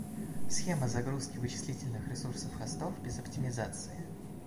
Схема загрузки вычислительных ресурсов хостов без оптимизации